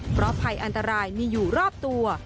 เพราะภัยอันตรายมีอยู่รอบตัว